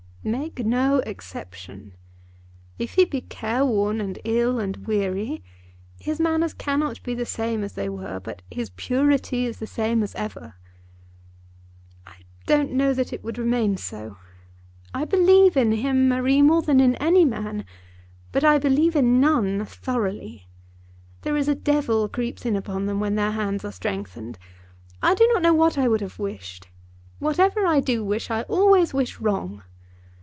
"Make no exception. If he be careworn and ill and weary, his manners cannot be the same as they were, but his purity is the same as ever." "I don't know that it would remain so. I believe in him, Marie, more than in any man, but I believe in none thoroughly. There is a devil creeps in upon them when their hands are strengthened. I do not know what I would have wished. Whenever I do wish, I always wish wrong.